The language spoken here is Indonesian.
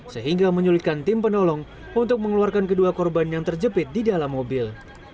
sehingga menyulitkan tim penolong untuk mengeluarkan kedua korban yang terjepit di dalam mobil